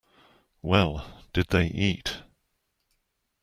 Well, did they eat.